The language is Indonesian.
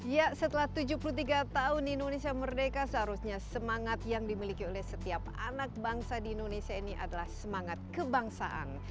ya setelah tujuh puluh tiga tahun indonesia merdeka seharusnya semangat yang dimiliki oleh setiap anak bangsa di indonesia ini adalah semangat kebangsaan